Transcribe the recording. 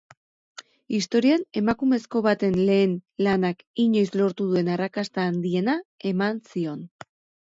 Historian emakumezko baten lehen lanak inoiz lortu duen arrakasta handiena eman zion.